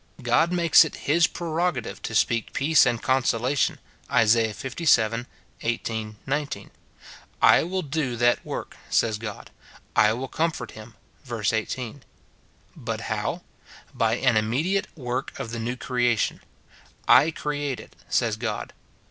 God makes it his prerogative to speak peace and consolation, Isa. Ivii. 18, 19. "I will do that work," says God, "I will comfort him," verse 18. But how? By an immediate work of the new creation : "I create it," says God.